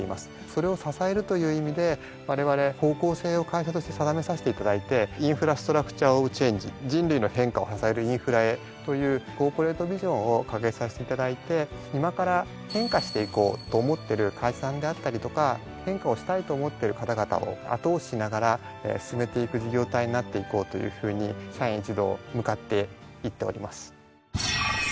それを支えるという意味でわれわれ方向性を会社として定めさせていただいて「ＩＮＦＲＡＳＴＲＵＣＴＵＲＥｏｆＣＨＡＮＧＥ人類の変化を支える、インフラへ。」というコーポレートビジョンを掲げさせていただいて今から変化していこうと思ってる会社さんであったりとか変化をしたいと思ってる方々を後押ししながら進めていく事業体になっていこうというふうに社員一同向かっていっております。